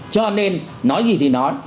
cho nên nói gì thì nói